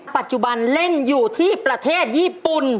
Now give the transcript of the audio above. ปัจจุบันเล่นอยู่ที่ประเทศญี่ปุ่น